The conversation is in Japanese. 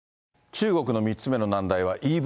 中国の３つ目の難題はＥＶ。